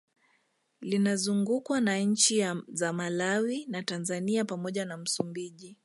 Linazungukwa na nchi za Malawi na Tanzania pamoja na Msumbiji